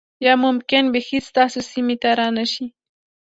یا ممکن بیخی ستاسو سیمې ته را نشي